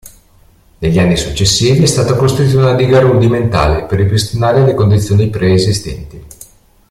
Negli anni successivi è stata costruita una diga rudimentale per ripristinare le condizioni preesistenti.